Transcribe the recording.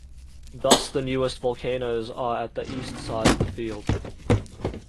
Thus, the newest volcanoes are at the east side of the field.